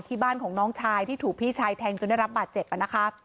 ที่บ้านของน้องชายที่ถูกพี่ชายแทงจนได้รับบาดเจ็บนะคะ